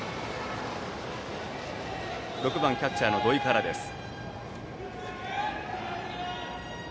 ６番キャッチャーの土肥からです。